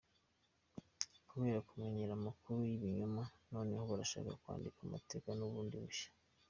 «Kubera kumenyera amakuru y’ibinyoma noneho barashaka kwandika amateka bundi bushya.